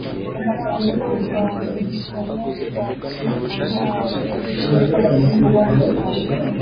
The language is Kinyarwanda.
ni bo bamisiyonari ba mbere bahawe uruhushya rwo kuba mu Rwanda